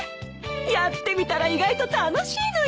やってみたら意外と楽しいのよ。